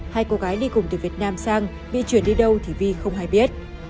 hai cô gái đi cùng từ việt nam sang bị chuyển đi đâu thì vi không hay biết